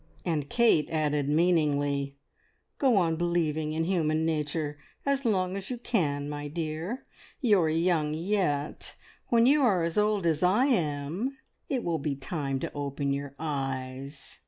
And Kate added meaningly, "Go on believing in human nature as long as you can, my dear. You're young yet. When you are as old as I am it will be time to open your eyes.